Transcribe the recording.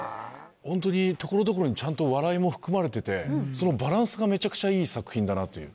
ホントに所々にちゃんと笑いも含まれててそのバランスがめちゃくちゃいい作品だなという。